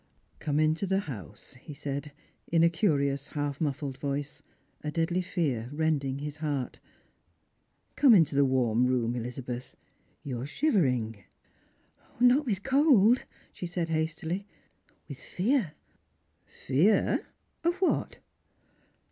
"Come into the house," he said, in a curious half mufl3ed voice, a deadly fear rending his heart. " Come into the warm i oom, Elizabeth; you are shivering." "Not with cold," she said hastily; "with fear." "Fear! of what?"